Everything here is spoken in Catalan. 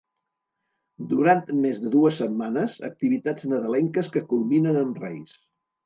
Durant més de dues setmanes activitats nadalenques que culminen amb Reis.